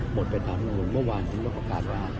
หมดไปตามแล้วเมื่อวานเป็นนักข่าวปรากฏมาครับ